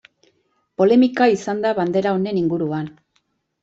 Polemika izan da bandera honen inguruan.